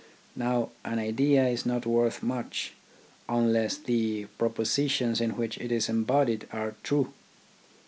Now an idea is not worth much unless the propositions in which it is embodied are true.